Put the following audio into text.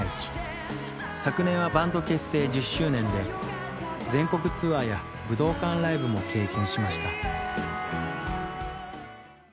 昨年はバンド結成１０周年で全国ツアーや武道館ライブも経験しました。